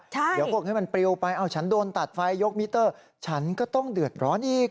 เดี๋ยวพวกนี้มันปลิวไปเอาฉันโดนตัดไฟยกมิเตอร์ฉันก็ต้องเดือดร้อนอีก